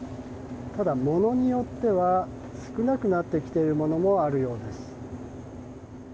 ただ、ものによっては少なくなってきているものもあるようです。